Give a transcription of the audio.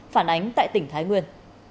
phản ánh tại tỉnh thái nguyên